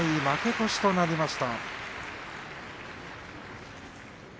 負け越しとなりました。